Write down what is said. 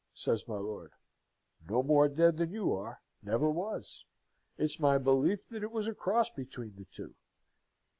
says my lord. "No more dead than you are. Never was. It's my belief that it was a cross between the two."